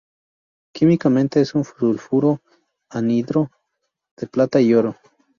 Químicamente es un sulfuro anhidro de plata y oro.